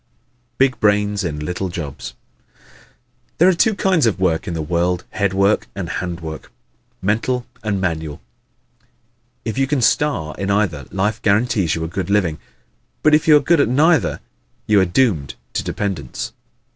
Big Brains in Little Jobs ¶ There are two kinds of work in the world head work and hand work; mental and manual. If you can star in either, life guarantees you a good living. But if you are good at neither you are doomed to dependence.